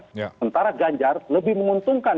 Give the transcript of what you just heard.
sementara ganjar lebih menguntungkan